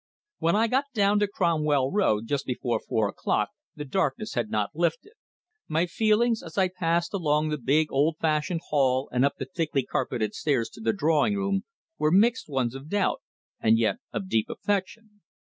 When I got down to Cromwell Road just before four o'clock, the darkness had not lifted. My feelings as I passed along the big, old fashioned hall and up the thickly carpeted stairs to the drawing room were mixed ones of doubt, and yet of deep affection.